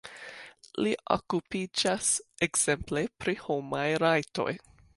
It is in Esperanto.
Li okupiĝas ekzemple pri homaj rajtoj.